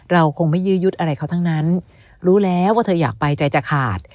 เราคงไม่ยื้อยุดอะไรเขาทั้งนั้นรู้แล้วว่าเธออยากไปใจจะขาด